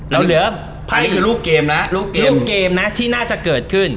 เราเหลืออันนี้คือรูปเกมแล้วรูปเกมนะที่น่าจะเกิดขึ้น